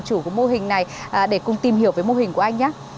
chủ của mô hình này để cùng tìm hiểu về mô hình của anh nhé